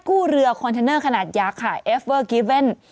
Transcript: กู้เรือคอนเทนเนอร์ขนาดยักษ์ค่ะเอฟเวอร์กิเว่น